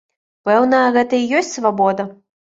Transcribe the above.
Пэўна, гэта і ёсць свабода.